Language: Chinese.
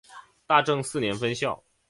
大正四年分校。